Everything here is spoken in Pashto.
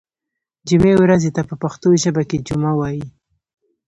جمعې ورځې ته په پښتو ژبه کې جمعه وایی